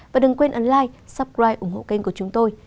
và đừng quên ấn like subscribe ủng hộ kênh của chúng tôi